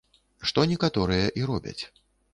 Што некаторыя і робяць.